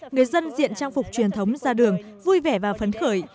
người dân diện trang phục truyền thống ra đường vui vẻ và phấn khởi